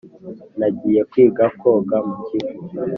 nagiye kwiga koga mu kivu